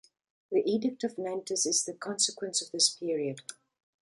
The Edict of Nantes is the consequence of this period.